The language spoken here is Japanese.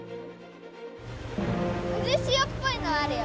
渦しおっぽいのあるよ。